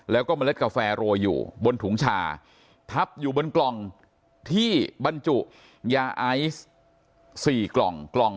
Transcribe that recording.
แล้วก็เมล็ดกาแฟโรยอยู่บนถุงชาทับอยู่บนกล่องที่บรรจุยาไอซ์๔กล่องกล่อง